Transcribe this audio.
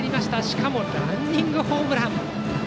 しかもランニングホームラン。